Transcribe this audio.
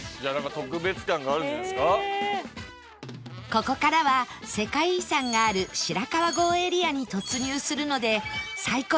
ここからは世界遺産がある白川郷エリアに突入するので